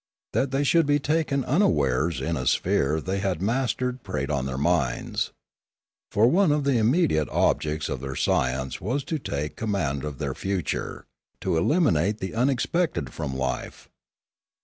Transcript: That they should be taken unawares in a sphere they had mastered preyed on their minds. For one of the immediate objects of their science was to take com mand of their future, to eliminate the unexpected from life.